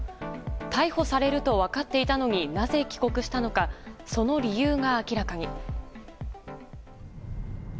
逮捕されると分かっていたのになぜ帰国したのかその理由が明らかに。